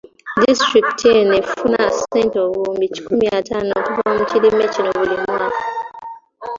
Disitulikiti eno efuna ssente obuwumbi kikumi ataano okuva mu kirime kino buli mwaka.